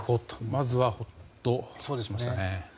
先ずはほっとしましたね。